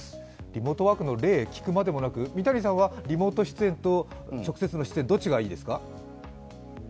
リモートワークの例を聞くまでもなく、三谷さんは、リモート出演と直接の出演とどちらがいいですか。